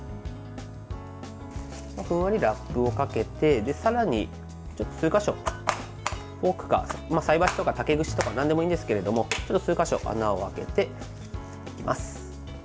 ふんわりラップをかけて、数か所フォークか菜箸とか竹串とかなんでもいいんですけれど数か所穴を開けていきます。